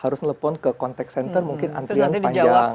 harus nelpon ke contact center mungkin antrian panjang